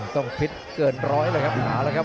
ต้องพิษเกินร้อยเลยครับ